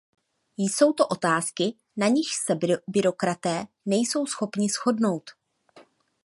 Jsou to otázky, na nichž se byrokraté nejsou schopni shodnout.